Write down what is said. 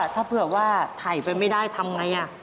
ถ้าเผื่อว่าถ่ายไปไม่ได้ทำไง